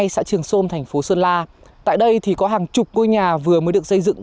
xã trường sơn thành phố sơn la tại đây thì có hàng chục ngôi nhà vừa mới được xây dựng